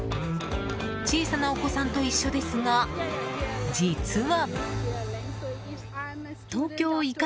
小さなお子さんと一緒ですが実は。